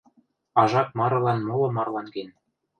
ажак марылан моло марлан кен.